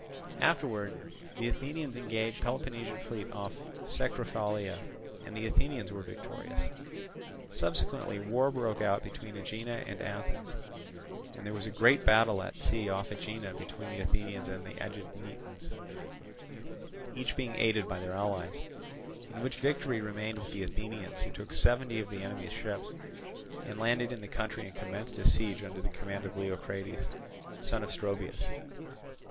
Afterwards the Athenians engaged the Peloponnesian fleet off Cecruphalia; and the Athenians were victorious. Subsequently war broke out between Aegina and Athens, and there was a great battle at sea off Aegina between the Athenians and Aeginetans, each being aided by their allies; in which victory remained with the Athenians, who took seventy of the enemy's ships, and landed in the country and commenced a siege under the command of Leocrates, son of Stroebus.